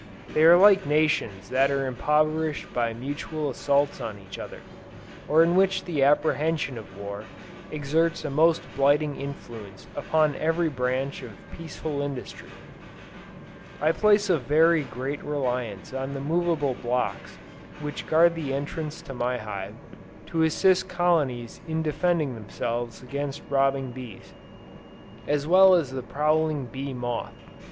They are like nations that are impoverished by mutual assaults on each other: or in which the apprehension of war, exerts a most blighting influence upon every branch of peaceful industry. I place very great reliance on the movable blocks which guard the entrance to my hive, to assist colonies in defending themselves against robbing bees, as well as the prowling bee moth.